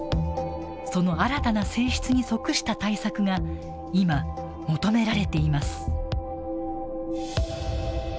その新たな性質に即した対策が今、求められています。